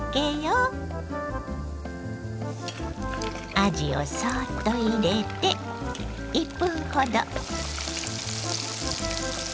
あじをそっと入れて１分ほど。